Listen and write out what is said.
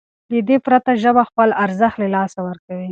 له دې پرته ژبه خپل ارزښت له لاسه ورکوي.